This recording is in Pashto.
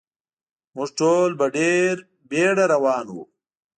موږ ټول په ډېره بېړه روان و.